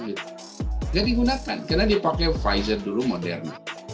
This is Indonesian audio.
tidak digunakan karena dipakai pfizer dulu moderna